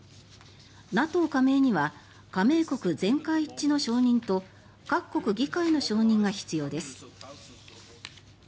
ＮＡＴＯ加盟には加盟国全会一致の承認と各国議会の承認が必要です。